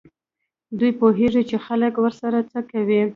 دوی پوهېږي چې خلک ورسره څه کوي.